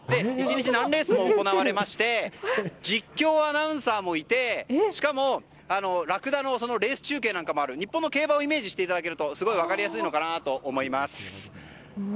１日何レースも行われまして実況アナウンサーもいてしかも、ラクダのレース中継などもあって日本の競馬をイメージしていただけると分かりやすいと思います。